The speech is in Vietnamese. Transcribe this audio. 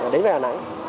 đến về đà nẵng